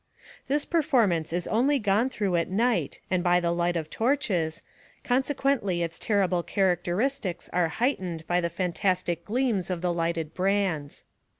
This performance is only gone through at night and by the light of torches, consequently its terrible char acteristics are heightened by tne fantastic gleams of the lighted brands.